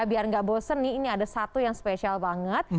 biar nggak bosen nih ini ada satu yang spesial banget